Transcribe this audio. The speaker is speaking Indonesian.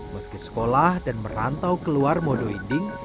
meski sekolah dan merantau keluar modo inding